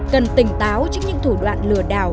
cần tỉnh táo trước những thủ đoạn lừa đảo